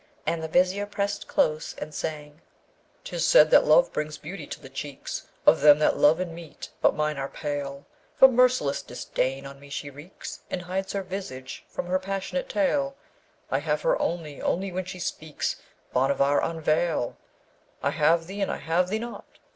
And the Vizier pressed close, and sang: 'Tis said that love brings beauty to the cheeks Of them that love and meet, but mine are pale; For merciless disdain on me she wreaks, And hides her visage from my passionate tale: I have her only, only when she speaks. Bhanavar, unveil! I have thee, and I have thee not!